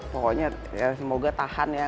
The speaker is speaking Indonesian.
pokoknya semoga tahan ya